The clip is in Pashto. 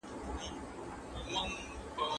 امریکايي شرکتونه باید پام وکړي.